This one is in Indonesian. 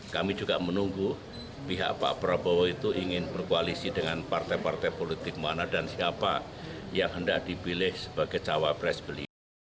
kami juga menunggu pihak pak prabowo itu ingin berkoalisi dengan partai partai politik mana dan siapa yang hendak dipilih sebagai cawapres beliau